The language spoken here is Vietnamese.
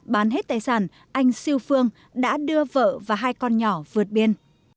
bán hết tài sản anh siêu phương đã đưa vợ và hai con nhỏ vượt biên